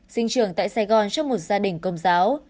sinh trường tại sài gòn trong một gia đình công giáo